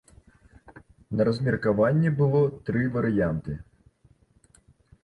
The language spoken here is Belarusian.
На размеркаванні было тры варыянты.